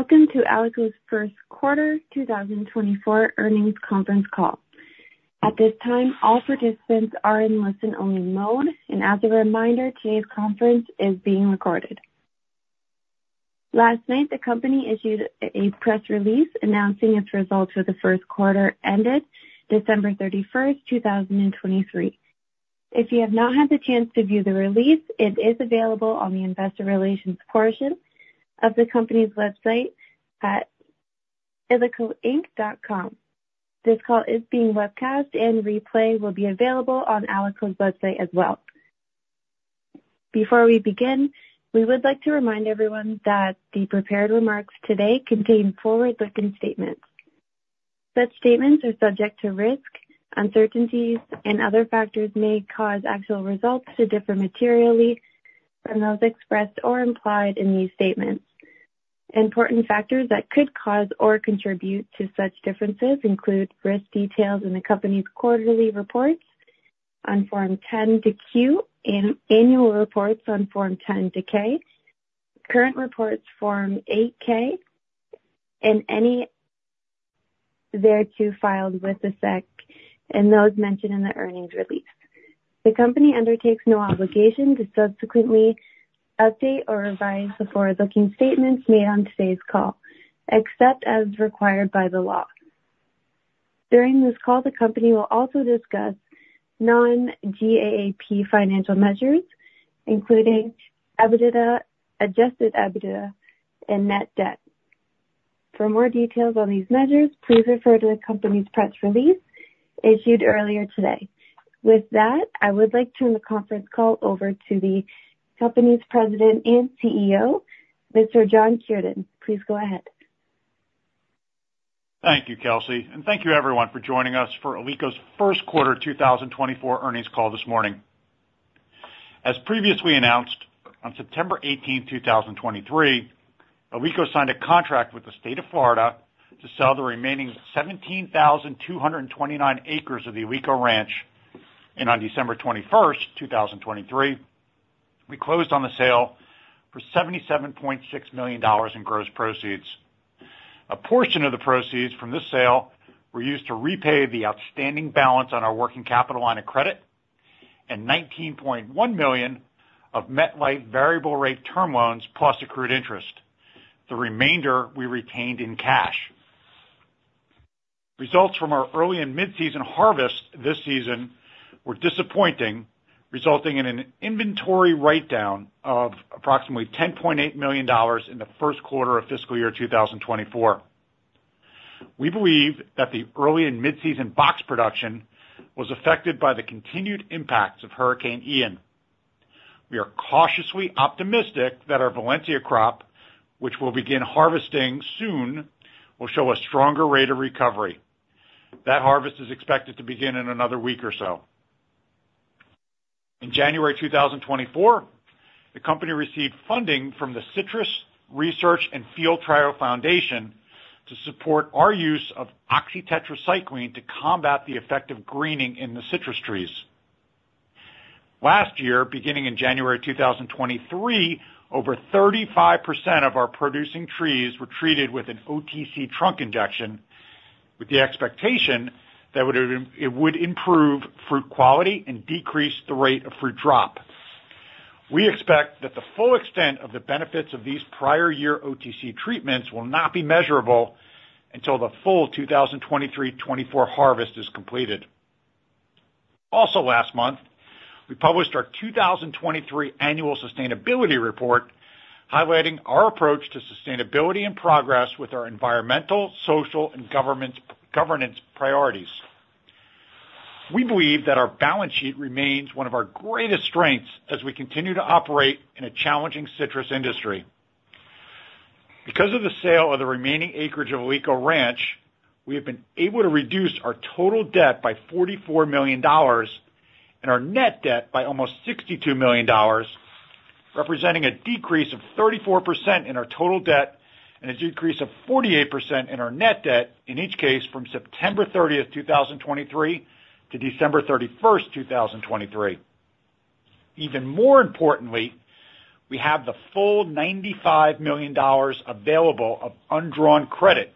Welcome to Alico's first quarter 2024 earnings conference call. At this time, all participants are in listen-only mode. As a reminder, today's conference is being recorded. Last night, the company issued a press release announcing its results for the first quarter, ended December 31, 2023. If you have not had the chance to view the release, it is available on the investor relations portion of the company's website at alicocorp.com. This call is being webcast and replay will be available on Alico's website as well. Before we begin, we would like to remind everyone that the prepared remarks today contain forward-looking statements. Such statements are subject to risk, uncertainties, and other factors may cause actual results to differ materially from those expressed or implied in these statements. Important factors that could cause or contribute to such differences include risk details in the company's quarterly reports on Form 10-Q, and annual reports on Form 10-K, current reports Form 8-K, and any thereto filed with the SEC, and those mentioned in the earnings release. The company undertakes no obligation to subsequently update or revise the forward-looking statements made on today's call, except as required by the law. During this call, the company will also discuss non-GAAP financial measures, including EBITDA, adjusted EBITDA, and net debt. For more details on these measures, please refer to the company's press release issued earlier today. With that, I would like to turn the conference call over to the company's President and CEO, Mr. John Kiernan. Please go ahead. Thank you, Kelsey, and thank you everyone for joining us for Alico's first quarter 2024 earnings call this morning. As previously announced, on September 18, 2023, Alico signed a contract with the State of Florida to sell the remaining 17,229 acres of the Alico Ranch. On December 21, 2023, we closed on the sale for $77.6 million in gross proceeds. A portion of the proceeds from this sale were used to repay the outstanding balance on our working capital line of credit and $19.1 million of MetLife variable rate term loans plus accrued interest. The remainder we retained in cash. Results from our early- and mid-season harvest this season were disappointing, resulting in an inventory write-down of approximately $10.8 million in the first quarter of fiscal year 2024. We believe that the early- and mid-season box production was affected by the continued impacts of Hurricane Ian. We are cautiously optimistic that our Valencia crop, which we'll begin harvesting soon, will show a stronger rate of recovery. That harvest is expected to begin in another week or so. In January 2024, the company received funding from the Citrus Research and Field Trials Foundation to support our use of oxytetracycline to combat the effect of greening in the citrus trees. Last year, beginning in January 2023, over 35% of our producing trees were treated with an OTC trunk injection, with the expectation that it would, it would improve fruit quality and decrease the rate of fruit drop. We expect that the full extent of the benefits of these prior year OTC treatments will not be measurable until the full 2023-24 harvest is completed. Also last month, we published our 2023 annual sustainability report, highlighting our approach to sustainability and progress with our environmental, social, and governance priorities. We believe that our balance sheet remains one of our greatest strengths as we continue to operate in a challenging citrus industry. Because of the sale of the remaining acreage of Alico Ranch, we have been able to reduce our total debt by $44 million and our net debt by almost $62 million, representing a decrease of 34% in our total debt and a decrease of 48% in our net debt, in each case from September 30, 2023, to December 31, 2023. Even more importantly, we have the full $95 million available of undrawn credit,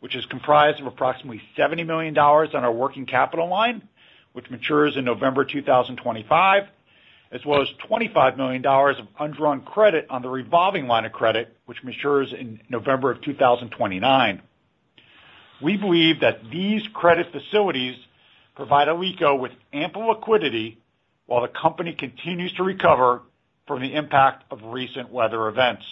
which is comprised of approximately $70 million on our working capital line, which matures in November 2025, as well as $25 million of undrawn credit on the revolving line of credit, which matures in November 2029. We believe that these credit facilities provide Alico with ample liquidity while the company continues to recover from the impact of recent weather events.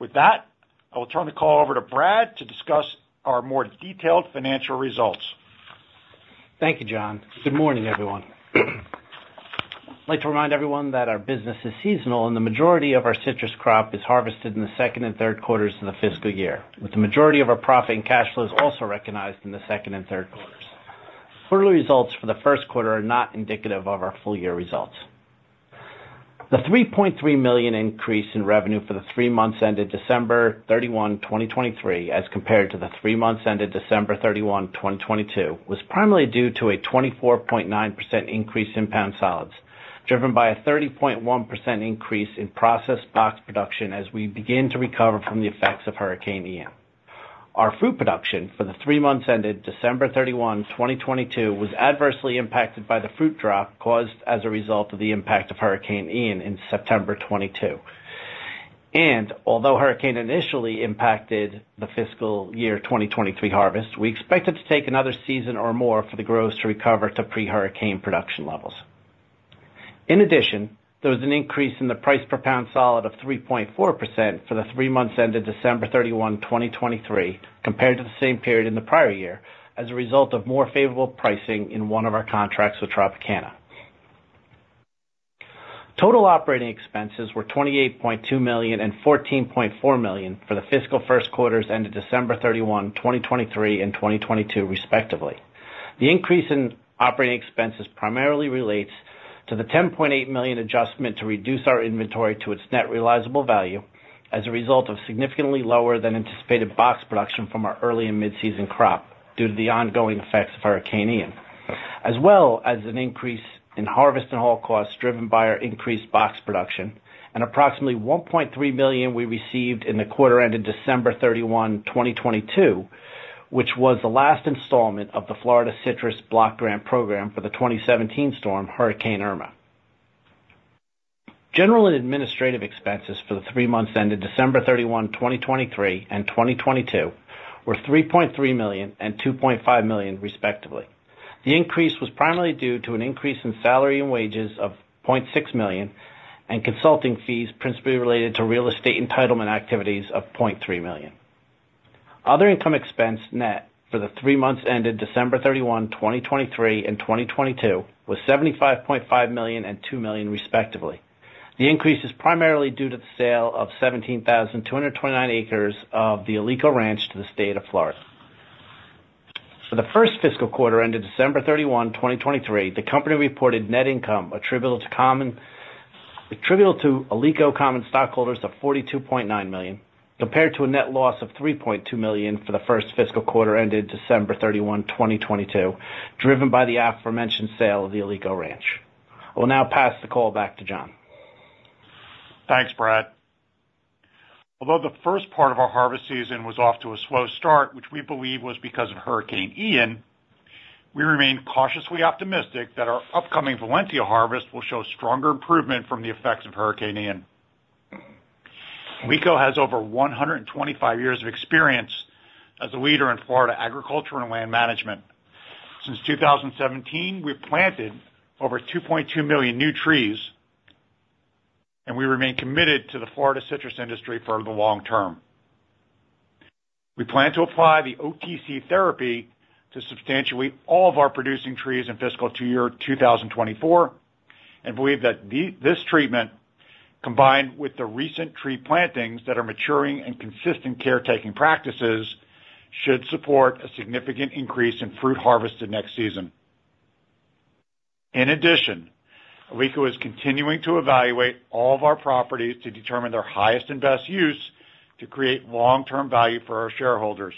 With that, I will turn the call over to Brad to discuss our more detailed financial results. Thank you, John. Good morning, everyone. I'd like to remind everyone that our business is seasonal, and the majority of our citrus crop is harvested in the second and third quarters of the fiscal year, with the majority of our profit and cash flows also recognized in the second and third quarters. Full results for the first quarter are not indicative of our full-year results. The $3.3 million increase in revenue for the three months ended December 31, 2023, as compared to the three months ended December 31, 2022, was primarily due to a 24.9% increase in pound solids, driven by a 30.1% increase in processed box production as we begin to recover from the effects of Hurricane Ian. Our fruit production for the three months ended December 31, 2022, was adversely impacted by the fruit drop caused as a result of the impact of Hurricane Ian in September 2022. Although Hurricane initially impacted the fiscal year 2023 harvest, we expect it to take another season or more for the groves to recover to pre-Hurricane production levels. In addition, there was an increase in the price per pound solid of 3.4% for the three months ended December 31, 2023, compared to the same period in the prior year, as a result of more favorable pricing in one of our contracts with Tropicana. Total operating expenses were $28.2 million and $14.4 million for the fiscal first quarters ended December 31, 2023 and 2022, respectively. The increase in operating expenses primarily relates to the $10.8 million adjustment to reduce our inventory to its net realizable value as a result of significantly lower than anticipated box production from our early- and mid-season crop due to the ongoing effects of Hurricane Ian, as well as an increase in harvest and haul costs driven by our increased box production, and approximately $1.3 million we received in the quarter ended December 31, 2022, which was the last installment of the Florida Citrus Block Grant Program for the 2017 storm, Hurricane Irma. General and administrative expenses for the three months ended December 31, 2023 and 2022, were $3.3 million and $2.5 million, respectively. The increase was primarily due to an increase in salary and wages of $0.6 million and consulting fees principally related to real estate entitlement activities of $0.3 million. Other income expense net for the three months ended December 31, 2023 and 2022, was $75.5 million and $2 million, respectively. The increase is primarily due to the sale of 17,229 acres of the Alico Ranch to the state of Florida. For the first fiscal quarter ended December 31, 2023, the company reported net income attributable to common- attributable to Alico common stockholders of $42.9 million, compared to a net loss of $3.2 million for the first fiscal quarter ended December 31, 2022, driven by the aforementioned sale of the Alico Ranch. I will now pass the call back to John. Thanks, Brad. Although the first part of our harvest season was off to a slow start, which we believe was because of Hurricane Ian, we remain cautiously optimistic that our upcoming Valencia harvest will show stronger improvement from the effects of Hurricane Ian. Alico has over 125 years of experience as a leader in Florida agriculture and land management. Since 2017, we've planted over 2.2 million new trees, and we remain committed to the Florida citrus industry for the long term. We plan to apply the OTC therapy to all of our producing trees in fiscal year 2024, and believe that this treatment, combined with the recent tree plantings that are maturing and consistent caretaking practices, should support a significant increase in fruit harvested next season. In addition, Alico is continuing to evaluate all of our properties to determine their highest and best use to create long-term value for our shareholders.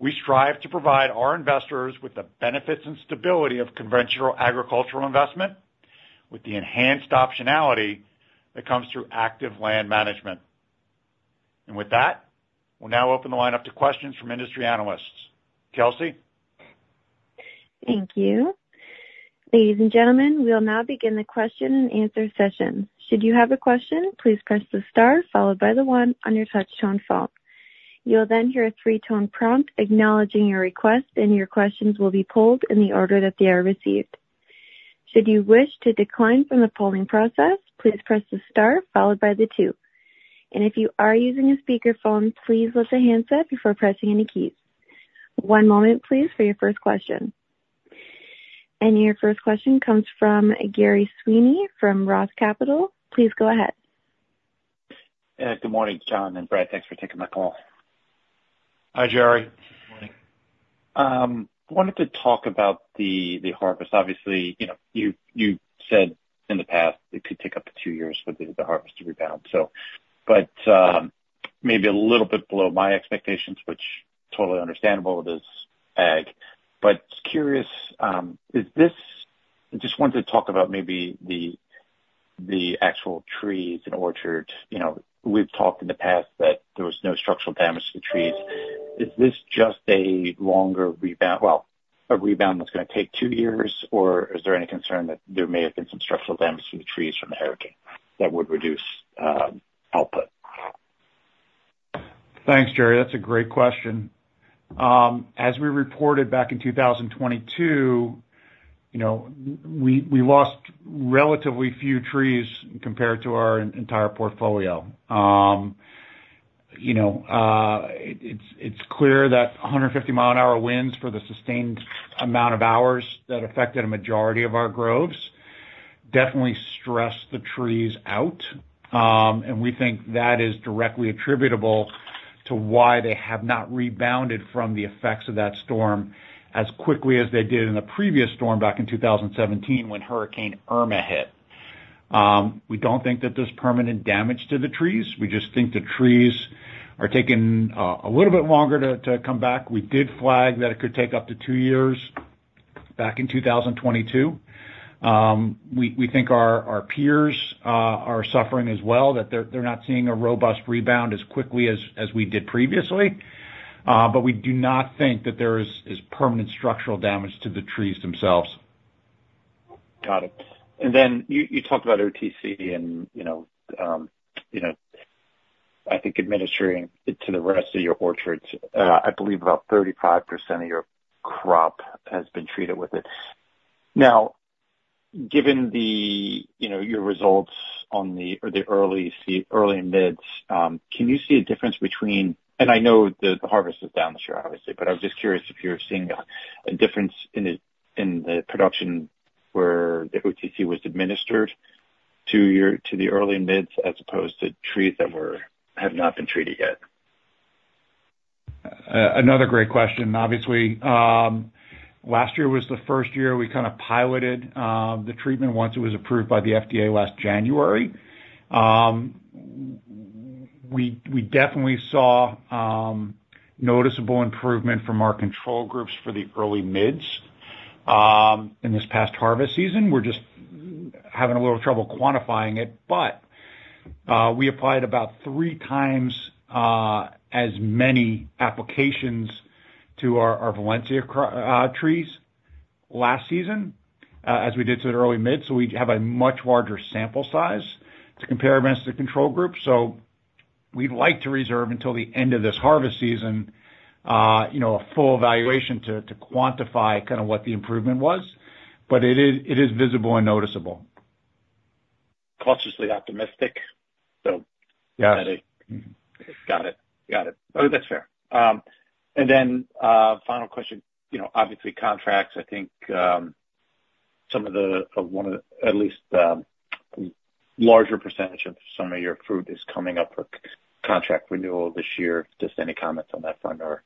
We strive to provide our investors with the benefits and stability of conventional agricultural investment, with the enhanced optionality that comes through active land management. With that, we'll now open the line up to questions from industry analysts. Kelsey? Thank you. Ladies and gentlemen, we will now begin the question and answer session. Should you have a question, please press the star followed by the 1 on your touchtone phone. You'll then hear a three-tone prompt acknowledging your request, and your questions will be polled in the order that they are received. Should you wish to decline from the polling process, please press the star followed by the 2. And if you are using a speakerphone, please lift the handset before pressing any keys. One moment, please, for your first question. And your first question comes from Gerry Sweeney from Roth Capital. Please go ahead. Good morning, John and Brad. Thanks for taking my call. Hi, Gerry. Good morning. Wanted to talk about the harvest. Obviously, you know, you said in the past it could take up to two years for the harvest to rebound. But, maybe a little bit below my expectations, which totally understandable, it is ag. But just curious, is this just wanted to talk about maybe the actual trees and orchards. You know, we've talked in the past that there was no structural damage to the trees. Is this just a longer rebound? Well, a rebound that's going to take two years, or is there any concern that there may have been some structural damage to the trees from the hurricane that would reduce output? Thanks, Gerry. That's a great question. As we reported back in 2022, you know, we lost relatively few trees compared to our entire portfolio. You know, it's clear that 150-mile-an-hour winds for the sustained amount of hours that affected a majority of our groves definitely stressed the trees out. And we think that is directly attributable to why they have not rebounded from the effects of that storm as quickly as they did in the previous storm back in 2017, when Hurricane Irma hit. We don't think that there's permanent damage to the trees. We just think the trees are taking a little bit longer to come back. We did flag that it could take up to two years back in 2022. We think our peers are suffering as well, that they're not seeing a robust rebound as quickly as we did previously. But we do not think that there is permanent structural damage to the trees themselves. Got it. And then you talked about OTC and, you know, you know, I think administering it to the rest of your orchards. I believe about 35% of your crop has been treated with it. Now, given the, you know, your results on the, or the early early and mids, can you see a difference between—and I know the harvest is down this year, obviously, but I was just curious if you're seeing a difference in the production where the OTC was administered to the early mids, as opposed to trees that have not been treated yet? Another great question. Obviously, last year was the first year we kind of piloted the treatment once it was approved by the FDA last January. We definitely saw noticeable improvement from our control groups for the early mids in this past harvest season. We're just having a little trouble quantifying it. But we applied about three times as many applications to our Valencia trees last season as we did to the early mids, so we have a much larger sample size to compare against the control group. So we'd like to reserve until the end of this harvest season, you know, a full evaluation to quantify kind of what the improvement was. But it is, it is visible and noticeable. Cautiously optimistic, so- Yes. Got it. Got it. Oh, that's fair. And then, final question. You know, obviously, contracts, I think, some of the, one of the, at least, larger percentage of some of your fruit is coming up for contract renewal this year. Just any comments on that front or,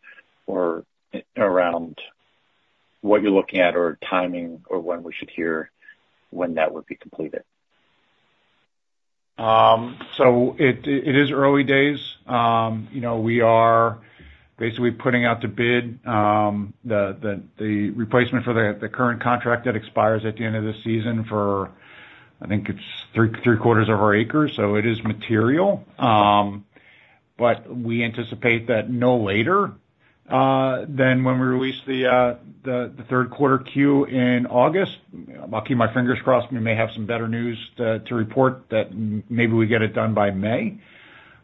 or around what you're looking at, or timing, or when we should hear when that would be completed? So it is early days. You know, we are basically putting out the bid, the replacement for the current contract that expires at the end of this season for, I think it's three quarters of our acres, so it is material. But we anticipate that no later than when we release the third quarter 10-Q in August. I'll keep my fingers crossed. We may have some better news to report, that maybe we get it done by May.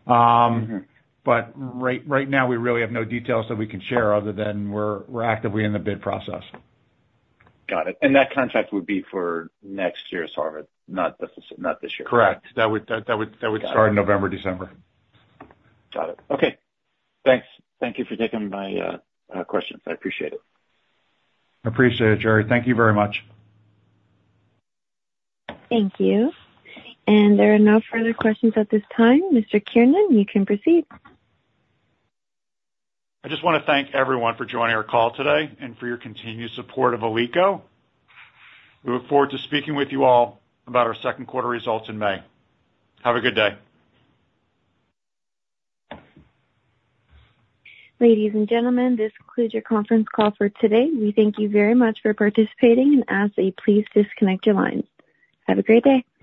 Mm-hmm. but right now, we really have no details that we can share, other than we're actively in the bid process. Got it. And that contract would be for next year's harvest, not this, not this year? Correct. That would- Got it. Start November, December. Got it. Okay. Thanks. Thank you for taking my questions. I appreciate it. Appreciate it, Gerry. Thank you very much. Thank you. There are no further questions at this time. Mr. Kiernan, you can proceed. I just wanna thank everyone for joining our call today and for your continued support of Alico. We look forward to speaking with you all about our second quarter results in May. Have a good day. Ladies and gentlemen, this concludes your conference call for today. We thank you very much for participating, and as always, please disconnect your lines. Have a great day.